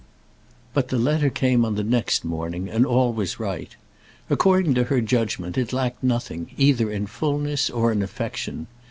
But the letter came on the next morning, and all was right. According to her judgment it lacked nothing, either in fulness or in affection.